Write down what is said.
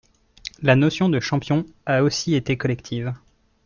La notion de champion a aussi été collective.